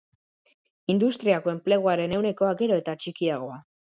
Industriako enpleguaren ehunekoa gero eta txikiagoa